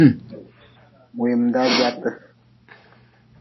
Wemdaa gwaate.